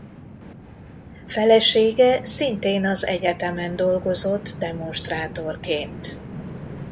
Felesége szintén az egyetemen dolgozott demonstrátorként.